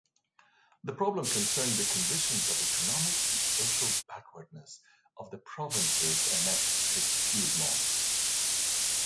The problem concerned the condition of economic and social backwardness of the provinces annexed to Piedmont.